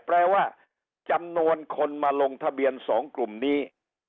แปลว่าจำนวนคนมาลงทะเบียน๒กลุ่มนี้